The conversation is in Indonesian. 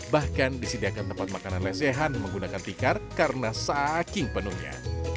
bahkan disediakan tempat makanan lesehan menggunakan tikar karena saking penuhnya